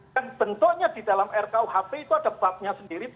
yang bentuknya di dalam rkuhp itu ada babnya sendiri